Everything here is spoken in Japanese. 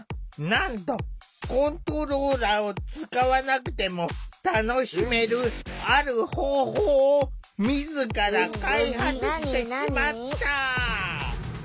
なんとコントローラーを使わなくても楽しめるある方法を自ら開発してしまった。